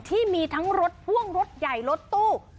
ที่มีทั้งรถพ่วงรถใหญ่รถตู้